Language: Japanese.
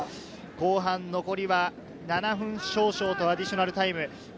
後半残りは７分少々とアディショナルタイム。